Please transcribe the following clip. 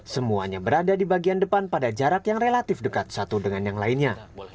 semuanya berada di bagian depan pada jarak yang relatif dekat satu dengan yang lainnya